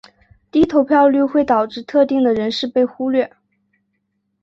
低投票率会导致特定的人士被忽略。